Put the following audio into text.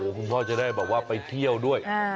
คุณพ่อจะได้ไปเที่ยวด้วย